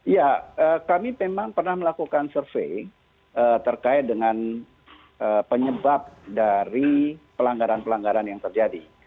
ya kami memang pernah melakukan survei terkait dengan penyebab dari pelanggaran pelanggaran yang terjadi